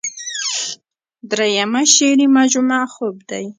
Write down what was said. دريمه شعري مجموعه خوب دے ۔